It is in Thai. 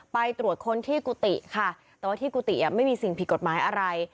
ไปตรวจค้นที่กุฏิค่ะแต่ว่าที่กุฏิไม่มีสิ่งผิดกฎหมายอะไร